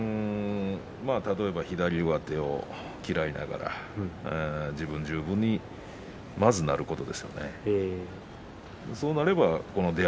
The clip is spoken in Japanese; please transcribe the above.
例えば左上手を嫌いながら自分十分にまずなることですね。